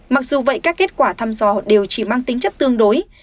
mặc dù vậy các kết quả thăm dò đều chỉ mang tính chất tương đối